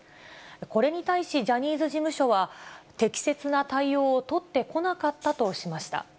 これに対しジャニーズ事務所は、適切な対応を取ってこなかったとしました。